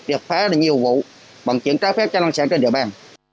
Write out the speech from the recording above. triệt phá nhiều vụ bằng chuyển trái phép cho năng sản trên địa bàn